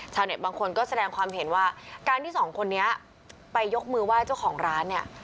บางคนก็แสดงความเห็นว่าการที่สองคนนี้ไปยกมือไหว้เจ้าของร้านเนี่ย